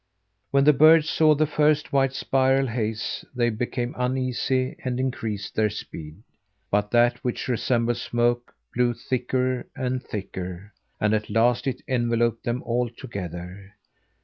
When the birds saw the first white spiral haze, they became uneasy and increased their speed. But that which resembled smoke blew thicker and thicker, and at last it enveloped them altogether.